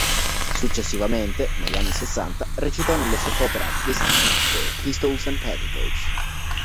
Successivamente, negli anni sessanta, recitò nelle soap opera "Destini" e "Pistols'n'Petticoats".